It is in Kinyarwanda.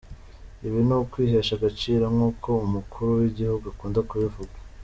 Ibi ni ukwihesha agaciro nk’uko umukuru w’igihugu akunda kubivuga”.